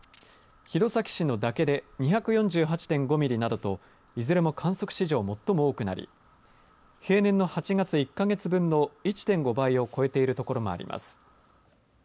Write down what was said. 弘前市の岳で２４８．５ミリなどといずれも観測史上、最も多くなり平年の８月１か月分の１．５倍を超えている所もあります。